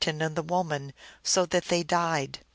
61 Marten and the woman, so that they died.